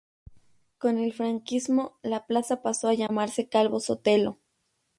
Con el franquismo la plaza pasó a llamarse Calvo Sotelo.